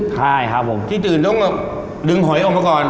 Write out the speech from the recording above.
ใช่ครับผมที่ตื่นต้องดึงหอยออกมาก่อน